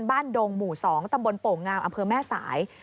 ดงหมู่๒ตำบลโป่งาวอำเภอแม่สาย